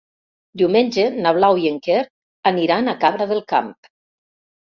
Diumenge na Blau i en Quer aniran a Cabra del Camp.